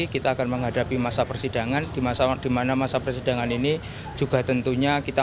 kita akan menghadapi masa persidangan di masa dimana masa persidangan ini juga tentunya kita